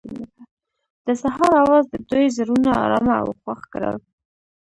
د سهار اواز د دوی زړونه ارامه او خوښ کړل.